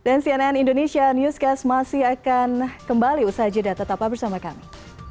cnn indonesia newscast masih akan kembali usaha jeda tetaplah bersama kami